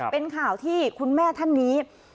เป็นข่าวที่คุณแม่ท่านนี้